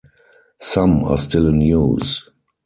Some are still in use.